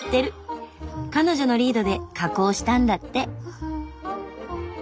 彼女のリードで加工したんだって。